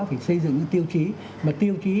phải xây dựng những tiêu chí mà tiêu chí